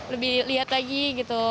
lebih lihat lagi gitu